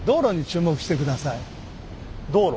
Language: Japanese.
道路？